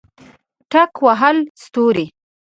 ټک وهله ستوري